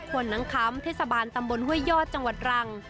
ควรน้ำค้ำเทศบาลตำบลหวยยอดจังหวัดรัง